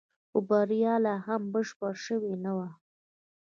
خو بريا لا هم بشپړه شوې نه وه.